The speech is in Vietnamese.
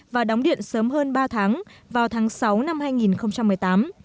và đóng điện sớm hơn ba tháng vào tháng sáu năm hai nghìn một mươi tám